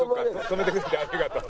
止めてくれてありがとう。